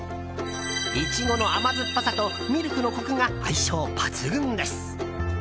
イチゴの甘酸っぱさとミルクのコクが相性抜群です。